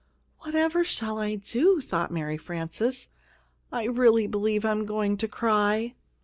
"Whatever shall I do?" thought Mary Frances. "I really believe I am going to cry."